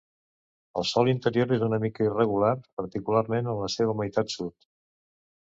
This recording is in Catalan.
El sòl interior és una mica irregular, particularment en la seva meitat sud.